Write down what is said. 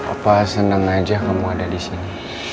opa seneng aja kamu ada di sini